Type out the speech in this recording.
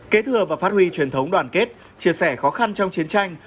kế thừa và phát huy truyền thống đoàn kết chia sẻ khó khăn trong chiến tranh